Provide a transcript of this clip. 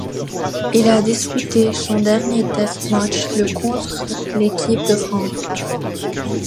Il a disputé son dernier test match le contre l'équipe de France.